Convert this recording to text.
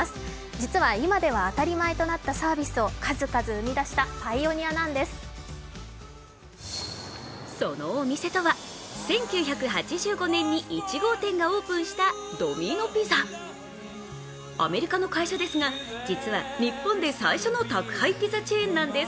実は、今では当たり前となったサービスを数々生み出したそのお店とは１９８５年に１号店がオープンしたドミノ・ピザ、アメリカの会社ですが、実は日本で最初の宅配ピザチェーンなんです。